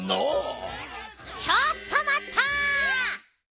ちょっとまった！